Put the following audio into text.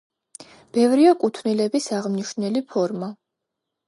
ბევრია კუთვნილების აღმნიშვნელი ფორმა.